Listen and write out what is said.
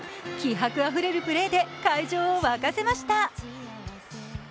気迫あふれるプレーで会場を沸かせました。